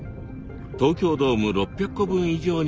東京ドーム６００個分以上にもなるんです。